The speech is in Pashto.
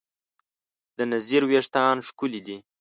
د نذیر وېښتیان ښکلي دي.